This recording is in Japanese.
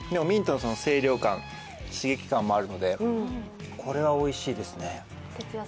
ミントの清涼感刺激感もあるのでこれはおいしいですね。